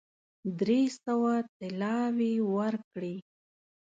درې سوه طلاوي ورکړې.